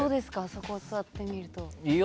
そこ座ってみると。